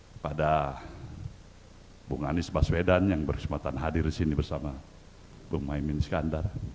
kepada bung anies baswedan yang berkesempatan hadir disini bersama bung maimin skandar